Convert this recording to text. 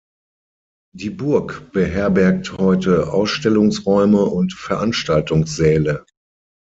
Die Burg beherbergt heute Ausstellungsräume und Veranstaltungssäle.